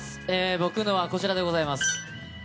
僕のは、こちらでございます。